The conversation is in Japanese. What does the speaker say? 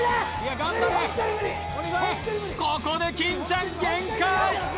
ここで金ちゃん限界！